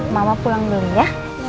mama pulang dulu ya